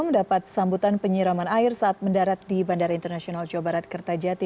mendapat sambutan penyiraman air saat mendarat di bandara internasional jawa barat kertajati